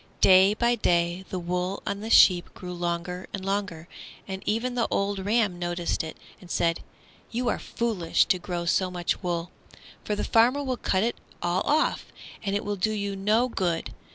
Day by day the wool on the sheep grew longer and longer, and even the old ram noticed it and said, "You are foolish to grow so much wool, for the farmer will cut it all off, and it will do you no good.